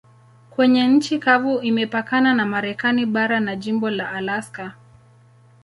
Kwenye nchi kavu imepakana na Marekani bara na jimbo la Alaska.